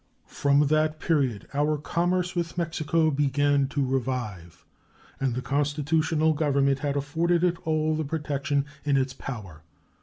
From that period our commerce with Mexico began to revive, and the constitutional Government has afforded it all the protection in its power.